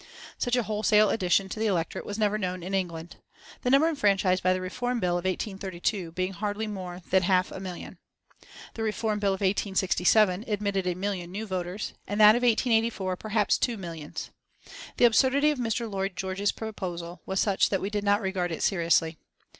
Such a wholesale addition to the electorate was never known in England; the number enfranchised by the Reform Bill of 1832 being hardly more than half a million. The Reform Bill of 1867 admitted a million new voters, and that of 1884 perhaps two millions. The absurdity of Mr. Lloyd George's proposition was such that we did not regard it seriously.